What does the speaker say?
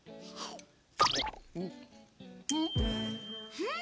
うん？